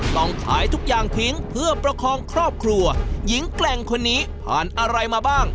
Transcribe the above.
ต้องขายทุกอย่างทิ้งเพื่อประคองครอบครัวหญิงแกร่งคนนี้ผ่านอะไรมาบ้าง